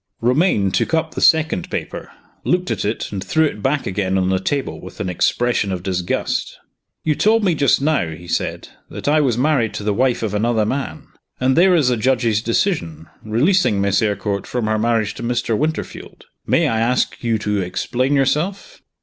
Romayne took up the second paper, looked at it, and threw it back again on the table with an expression of disgust. "You told me just now," he said, "that I was married to the wife of another man. And there is the judge's decision, releasing Miss Eyrecourt from her marriage to Mr. Winterfield. May I ask you to explain yourself?"